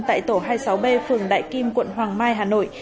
tại tổ hai mươi sáu b phường đại kim quận hoàng mai hà nội